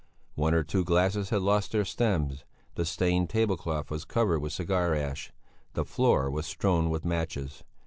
One or two glasses had lost their stems, the stained tablecloth was covered with cigar ash, the floor was strewn with matches.